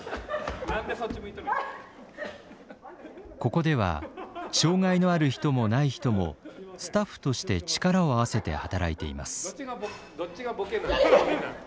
ここでは障害のある人もない人もスタッフとして力を合わせて働いています。